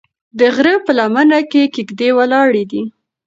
د غره په لمنه کې کيږدۍ ولاړې دي.